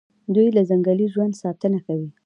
دوی د ځنګلي ژوند ساتنه کوي.